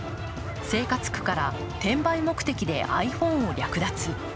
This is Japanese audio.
生活苦から転売目体でｉＰｈｏｎｅを略奪。